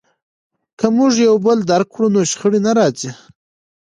که موږ یو بل درک کړو نو شخړې نه راځي.